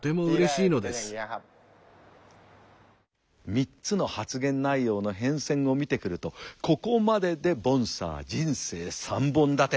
３つの発言内容の変遷を見てくるとここまででボンサー人生３本立て。